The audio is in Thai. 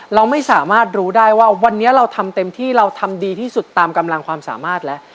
เราไม่สามารถรู้ได้ว่าวันนี้เราทำเต็มที่เราทำดีที่สุดตามกำลังความสามารถแล้ว